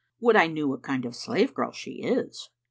Would I knew what kind of slave girl she is?"